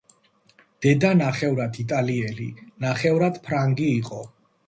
დედა ნახევრად იტალიელი ნახევრად ფრანგი იყო.